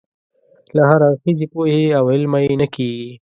له هراړخیزې پوهې او علمه یې نه کېږي.